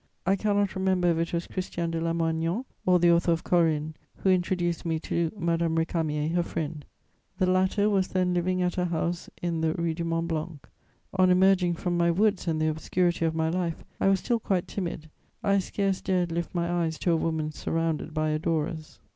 I cannot remember if it was Christian de Lamoignon or the author of Corinne who introduced me to Madame Récamier, her friend; the latter was then living at her house in the Rue du Mont Blanc. On emerging from my woods and the obscurity of my life, I was still quite timid; I scarce dared lift my eyes to a woman surrounded by adorers.